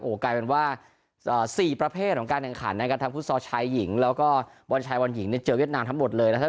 กลายเป็นว่า๔ประเภทของการแข่งขันนะครับทั้งฟุตซอลชายหญิงแล้วก็บอลชายบอลหญิงเนี่ยเจอเวียดนามทั้งหมดเลยนะครับ